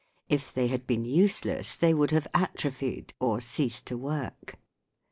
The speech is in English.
If they had been useless they would have " atrophied " or ceased to work.